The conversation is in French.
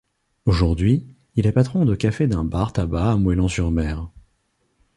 Aujourd'hui, il est patron de café d'un bar-tabac à Moëlan-sur-Mer.